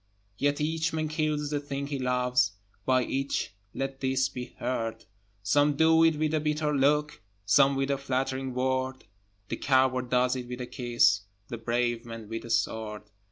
Yet each man kills the thing he loves By each let this be heard, Some do it with a bitter look, Some with a flattering word, The coward does it with a kiss, The brave man with a sword!